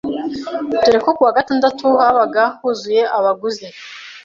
dore ko kuwa gatandatu habaga huzuye abaguzi.